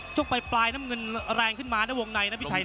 ช่วงปลายน้ำเงินแรงขึ้นมานะวงในนะพี่ชัยนะ